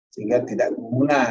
sehingga tidak kemunan